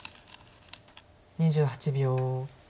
２８秒。